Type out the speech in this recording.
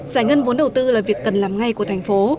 giải ngân vốn đầu tư là việc cần làm ngay của thành phố